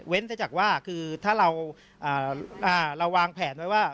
แต่จากว่าคือถ้าเราวางแผนไว้ว่า